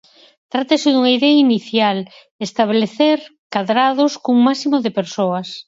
Trátase dunha idea inicial, estabelecer cadrados cun máximo de persoas.